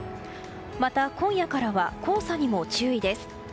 また、今夜からは黄砂にも注意です。